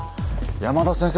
山田先生